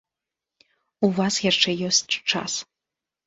У вас яшчэ ёсць час.